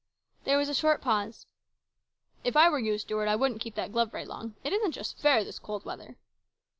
There was a short pause. "If I were you, Stuart, I wouldn't keep that glove very long. It isn't just fair this cold weather."